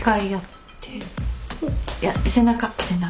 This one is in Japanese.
いや背中背中。